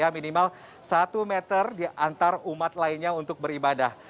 minimal satu meter di antar umat lainnya untuk beribadah